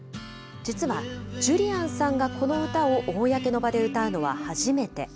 実は、ジュリアンさんがこの歌を公の場で歌うのは初めて。